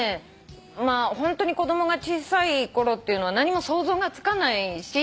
ホントに子供が小さい頃っていうのは何も想像がつかないし。